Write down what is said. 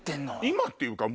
今っていうか